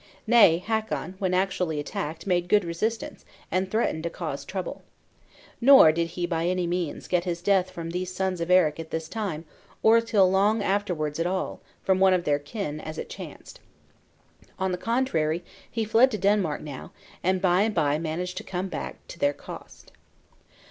Nay, Hakon, when actually attacked, made good resistance, and threatened to cause trouble. Nor did he by any means get his death from these sons of Eric at this time, or till long afterwards at all, from one of their kin, as it chanced. On the contrary, he fled to Denmark now, and by and by managed to come back, to their cost.